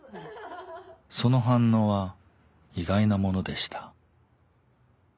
その反応は意外なものでした。